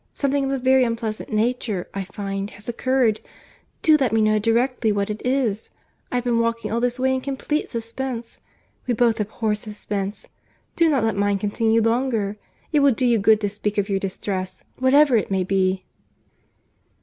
Something of a very unpleasant nature, I find, has occurred;—do let me know directly what it is. I have been walking all this way in complete suspense. We both abhor suspense. Do not let mine continue longer. It will do you good to speak of your distress, whatever it may be."